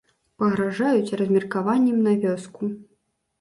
Пагражаюць размеркаваннем на вёску.